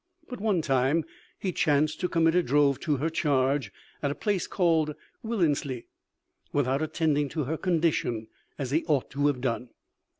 But one time he chanced to commit a drove to her charge at a place called Willenslee, without attending to her condition as he ought to have done.